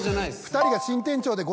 ２人が。